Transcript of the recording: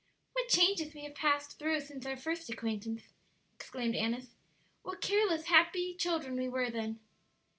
"What changes we have passed through since our first acquaintance !" exclaimed Annis. "What careless, happy children we were then!"